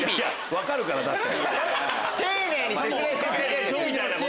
分かるからだって。